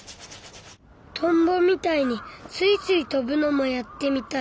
トンボみたいにスイスイ飛ぶのもやってみたい。